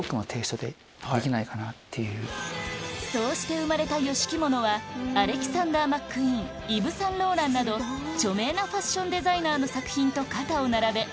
そうして生まれたＹＯＳＨＩＫＩＭＯＮＯはアレキサンダー・マックイーンイヴ・サンローランなど著名なファッションデザイナーの作品と肩を並べ